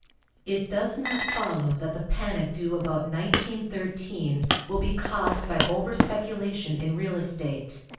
It does not follow that the panic due about 1913 will be caused by over speculation in real estate.